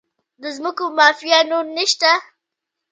د ځمکو مافیا نور نشته؟